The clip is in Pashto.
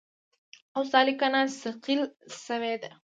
اوس دا لیکنه صیقل شوې ده.